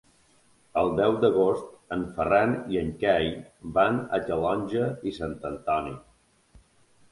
El deu d'agost en Ferran i en Cai van a Calonge i Sant Antoni.